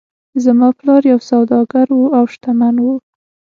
زما پلار یو سوداګر و او شتمن و.